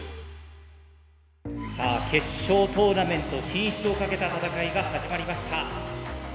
さあ決勝トーナメント進出をかけた戦いが始まりました。